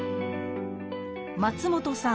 松本さん